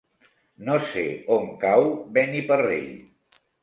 No sé on cau Beniparrell.